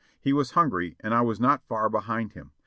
He was hungry and I was not far be hind him.